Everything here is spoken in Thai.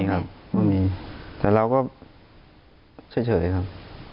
ก็มีครับก็มีแต่เราก็เฉยเลยครับ